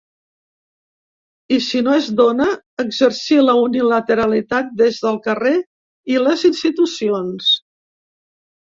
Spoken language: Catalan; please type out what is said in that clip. I si no es dóna, exercir la unilateralitat des del carrer i les institucions.